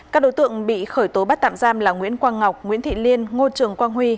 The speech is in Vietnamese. các đối tượng bị khởi tố bắt tạm giam là nguyễn quang ngọc nguyễn thị liên ngô trường quang huy